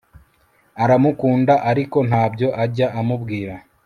aramukunda ariko ntabyo ajya amubwira